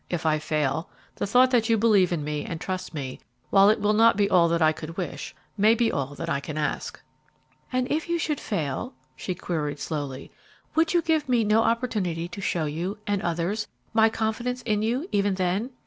If I fail, the thought that you believe in me and trust me, while it will not be all that I could wish, may be all that I can ask." "And if you should fail," she queried, slowly, "would you give me no opportunity to show you, and others, my confidence in you, even then?"